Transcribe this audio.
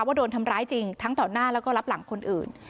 ว่าโดนทำร้ายจริงทั้งต่อหน้าแล้วก็รับหลังคนอื่น